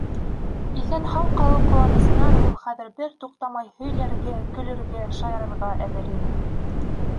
Иҫән-һау ҡалыу ҡыуанысынан ул хәҙер бер туҡтамай һөйләргә, көлөргә, шаярырға әҙер ине.